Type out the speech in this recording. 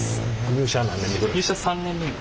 入社３年目に。